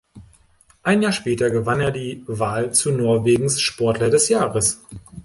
Ein Jahr später gewann er die Wahl zu Norwegens Sportler des Jahres.